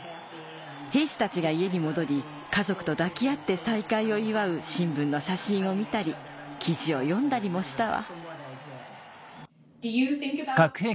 兵士たちが家に戻り家族と抱き合って再会を祝う新聞の写真を見たり記事を読んだりもしたわ。